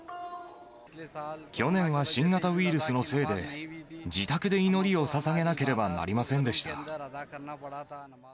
去年は新型ウイルスのせいで、自宅で祈りをささげなければなりませんでした。